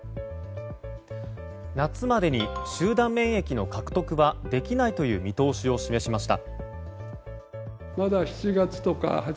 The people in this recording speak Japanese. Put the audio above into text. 夏までに集団免疫の獲得はできないとの見通しを示しました。